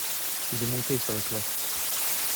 Il est monté sur le toit.